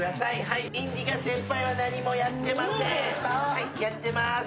はいやってます。